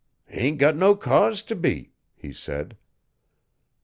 'Hain't got no cause t' be,' he said.